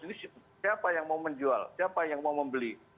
ini siapa yang mau menjual siapa yang mau membeli